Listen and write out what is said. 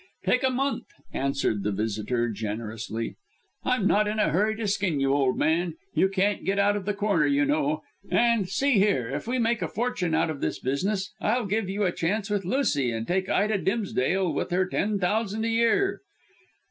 "Take a month," answered the visitor generously. "I'm not in a hurry to skin you, old man. You can't get out of the corner, you know. And see here, if we make a fortune out of this business, I'll give you a chance with Lucy, and take Ida Dimsdale with her ten thousand a year."